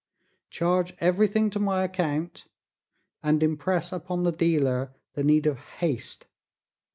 Charge everything to my account and impress upon the dealer the need of haste.